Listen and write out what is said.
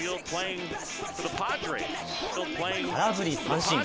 空振り三振。